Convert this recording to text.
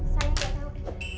saya gak tau